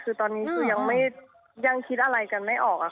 คือตอนนี้คือยังคิดอะไรกันไม่ออก